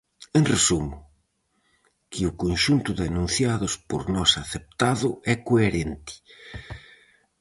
En resumo, que o conxunto de enunciados por nós aceptado é coherente.